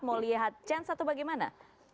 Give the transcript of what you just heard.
mau lihat chance atau bagaimana